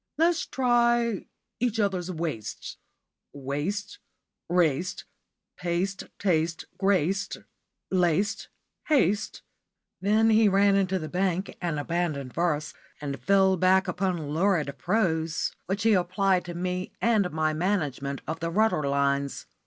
Let's try 'each other's waists.' Waste, raced, paste, taste, graced, laced, haste " Then he ran into the bank and abandoned verse, and fell back upon lurid prose, which he applied to me and my management of the rudder lines.